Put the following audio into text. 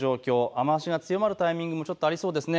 雨足が強まるタイミングもちょっとありそうです。